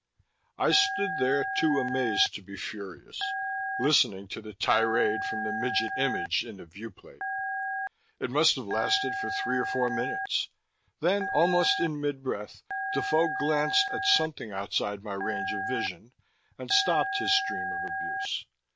I stood there, too amazed to be furious, listening to the tirade from the midget image in the viewplate. It must have lasted for three or four minutes; then, almost in mid breath, Defoe glanced at something outside my range of vision, and stopped his stream of abuse.